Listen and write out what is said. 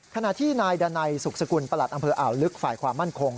ขณะที่นายดันัยสุขสกุลประหลัดอำเภออ่าวลึกฝ่ายความมั่นคง